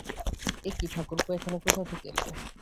একি ঠাকুরপো, এখানে কোথা থেকে এলে?